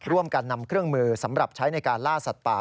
ร่วมกันนำเครื่องมือสำหรับใช้ในการล่าสัตว์ป่า